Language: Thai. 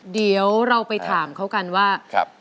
เดี๋ยวเราไปถามเขากันว่า